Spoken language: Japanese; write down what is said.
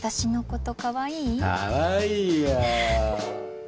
かわいいよ。